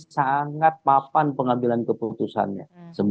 sangat papan pengambilan keputusannya